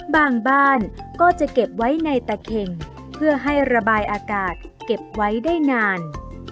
บ้านก็จะเก็บไว้ในตะเข่งเพื่อให้ระบายอากาศเก็บไว้ได้นาน